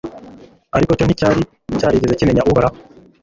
ariko cyo nticyari cyarigeze kimenya uhoraho